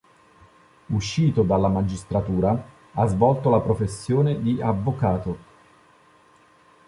Uscito dalla magistratura, ha svolto la professione di avvocato.